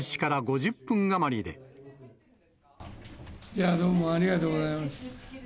じゃあ、どうもありがとうございます。